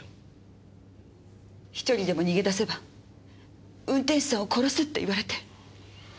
１人でも逃げ出せば運転手さんを殺すって言われて。